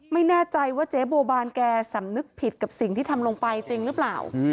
ไม่แน่ใจว่าเจ๊บัวบานแกสำนึกผิดกับสิ่งที่ทำลงไปจริงหรือเปล่า